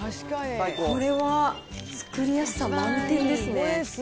これは作りやすさ満点ですね。